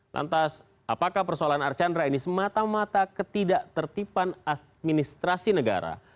lantas apakah persoalan archandra ini semata mata ketidak tertipan administrasi negara